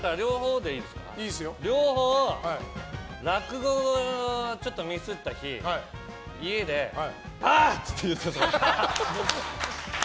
両方、落語をちょっとミスった日家で、ああ！って言ってそう。